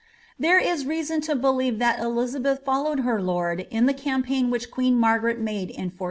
There is reason to believe that Elizabeth followed her lord in the campaign which queen Margaret made in 1460.